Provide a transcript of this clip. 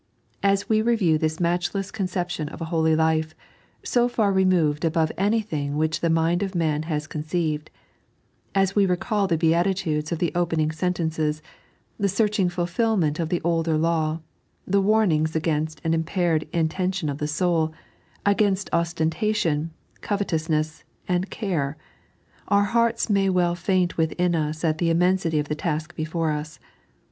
As we review this matchless conception of a holy life, so far removed above anything which the mind of man has conceived ; as we recall the Beatitudes of the opening sen tences, the searching fulfilment of the older law, the warn ings against an impaired intention of the soul, against osten tation, covetousnees, and care— our hearts may well faint within us at the immensity of the task before us.